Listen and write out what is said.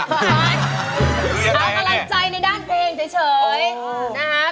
เอากำลังใจในด้านเพลงเฉย